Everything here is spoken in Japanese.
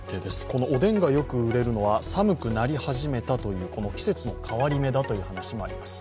このおでんがよく売れるのは寒くなり始めたという季節の変わり目だという話もあります。